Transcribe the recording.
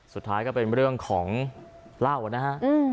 สุดท้ายก็เป็นเรื่องของเหล้านะฮะอืม